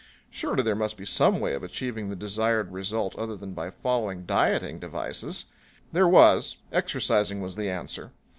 Surely there must be some way of achieving the desired result other than by following dieting devices. There was exercising was the answer.